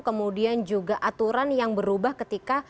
kemudian juga aturan yang berubah ketika